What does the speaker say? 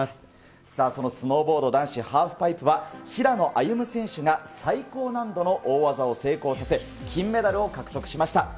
そのスノーボード男子ハーフパイプは平野歩夢選手が最高難度の大技を成功させ、金メダルを獲得しました。